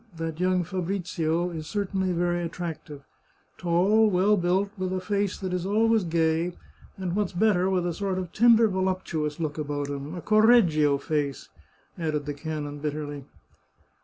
That young Fabrizio is cer tainly very attractive — tall, well built, with a face that is always gay, and, what's better, with a sort of tender voluptu ous look about him — a Correggio face !" added the canon bitterly.